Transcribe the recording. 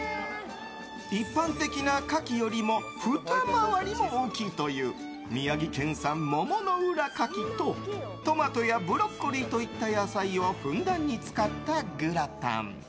一般的なカキよりもふた回りも大きいという宮城県産桃浦かきとトマトやブロッコリーといった野菜をふんだんに使ったグラタン。